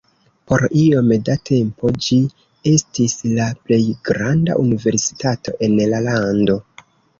Por iom da tempo, ĝi estis la plej granda universitato en la lando.